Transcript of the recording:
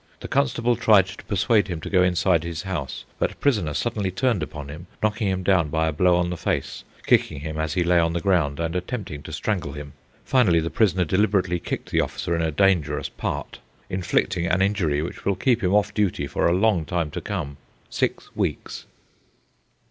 The constable tried to persuade him to go inside his house, but prisoner suddenly turned upon him, knocking him down by a blow on the face, kicking him as he lay on the ground, and attempting to strangle him. Finally the prisoner deliberately kicked the officer in a dangerous part, inflicting an injury which will keep him off duty for a long time to come. Six weeks.